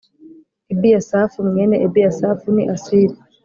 Ebiyasafu mwene ebiyasafu ni asiri